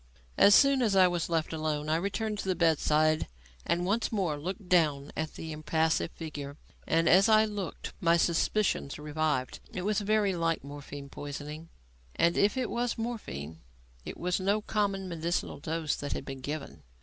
As soon as I was left alone, I returned to the bedside and once more looked down at the impassive figure. And as I looked, my suspicions revived. It was very like morphine poisoning; and, if it was morphine, it was no common, medicinal dose that had been given.